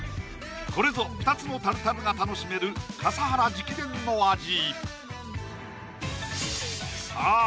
これぞ２つのタルタルが楽しめる笠原直伝の味さあ